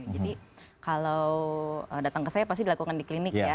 jadi kalau datang ke saya pasti dilakukan di klinik ya